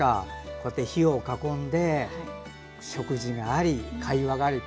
こうやって火を囲んで食事があり会話がある。